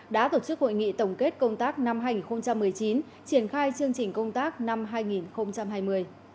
đã tổ chức hội nghị tổng kết công tác năm hai nghìn một mươi chín triển khai chương trình công tác năm hai nghìn hai mươi